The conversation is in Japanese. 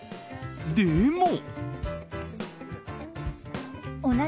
でも。